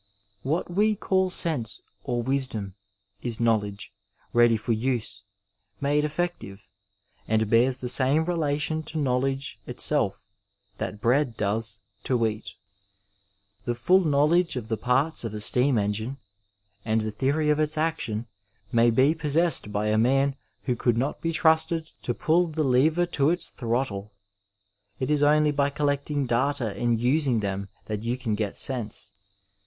What we call sense or wisdom is knowledge, ready for use, made effective, and bears the same reUtion to know ledge itself that bread does to wheat. The full knowledge of the parts of a steam engine and the theory of its action may be possessed by a man who could not be trusted to pull the lever to its throttle. It is only by collecting data and using them that you can get sense.